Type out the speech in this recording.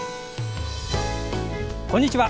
こんにちは。